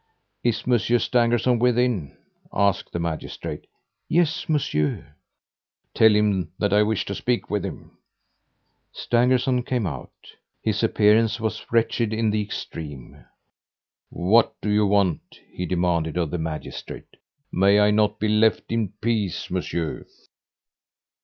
"Is Monsieur Stangerson within?" asked the magistrate. "Yes, Monsieur." "Tell him that I wish to speak with him." Stangerson came out. His appearance was wretched in the extreme. "What do you want?" he demanded of the magistrate. "May I not be left in peace, Monsieur?"